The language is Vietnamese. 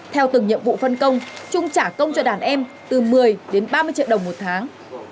theo từng nhiệm vụ phân công trung trả công cho đàn em từ một mươi đến ba mươi triệu đồng một tháng